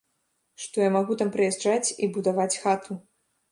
Што я магу там прыязджаць і будаваць хату.